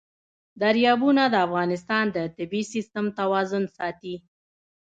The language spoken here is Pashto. دریابونه د افغانستان د طبعي سیسټم توازن ساتي.